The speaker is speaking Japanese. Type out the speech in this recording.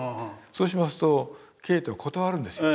そうしますとケーテは断るんですよ。